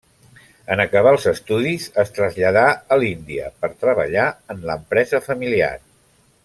En acabar els estudis es traslladà a l'Índia per treballar en l'empresa familiar.